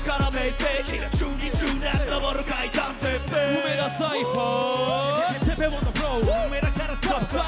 梅田サイファー！